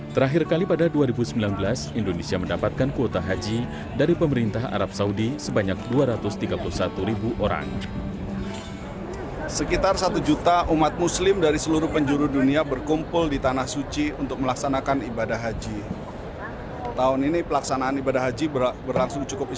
terakhir kali pada dua ribu sembilan belas indonesia mendapatkan kuota haji dari pemerintah arab saudi sebanyak dua ratus tiga puluh satu ribu orang